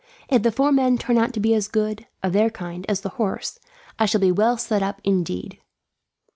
If the four men turn out to be as good, of their kind, as the horse, I shall be well set up, indeed."